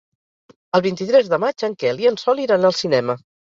El vint-i-tres de maig en Quel i en Sol iran al cinema.